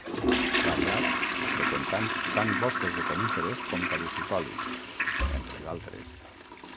Variat, freqüentant tant boscos de coníferes com caducifolis, entre d'altres.